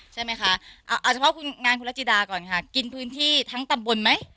ใช่ไหมคะเอาเฉพาะคุณงานคุณรัจจิดาก่อนค่ะกินพื้นที่ทั้งตำบลไหม